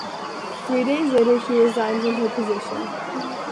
Three days later she resigned from her position.